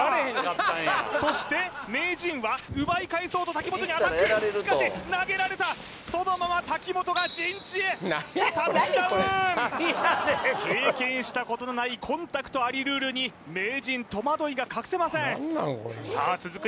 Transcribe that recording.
そして名人は奪い返そうと瀧本にアタックしかし投げられたそのまま瀧本が陣地へタッチダウン経験したことのないコンタクトありルールに名人戸惑いが隠せませんさあ続く